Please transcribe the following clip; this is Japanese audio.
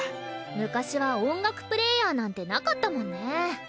昔は音楽プレーヤーなんてなかったもんね。